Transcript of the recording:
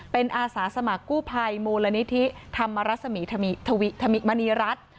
เป็นอาสาสมกู้ภัยมูลนิธิธรรมรสมิธรรมิรัติ